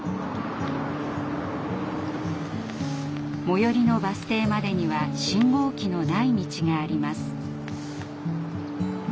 最寄りのバス停までには信号機のない道があります。